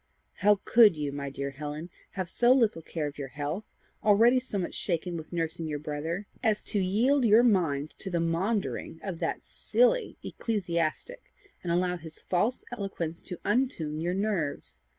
"How COULD you, my dear Helen, have so little care of your health, already so much shaken with nursing your brother, as to yield your mind to the maundering of that silly ecclesiastic, and allow his false eloquence to untune your nerves!